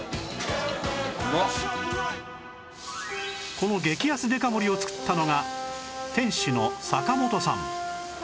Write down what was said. この激安デカ盛りを作ったのが店主の阪本さん